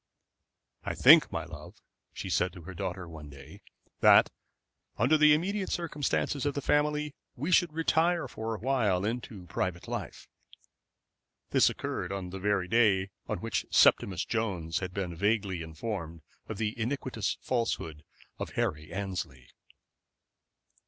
"I think, my love," she said to her daughter one day, "that, under the immediate circumstances of the family, we should retire for a while into private life." This occurred on the very day on which Septimus Jones had been vaguely informed of the iniquitous falsehood of Harry Annesley.